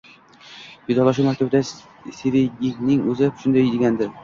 Vidolashuv maktubida Sveygning o`zi shunday degandi